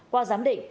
qua giám định